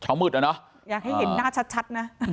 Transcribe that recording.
เฉามืดมาเนอะอยากให้เห็นหน้าชัด